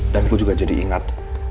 dan gue juga jadi ingat